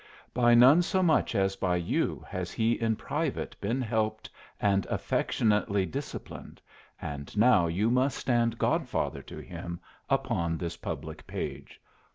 By none so much as by you has he in private been helped and affectionately disciplined, an now you must stand godfather to him upon this public page.